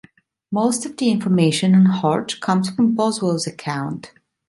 Most of the information on Hodge comes from Boswell's account.